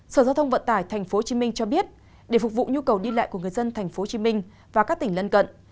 sở giao thông vận tải tp hcm cho biết để phục vụ nhu cầu đi lại của người dân tp hcm và các tỉnh lân cận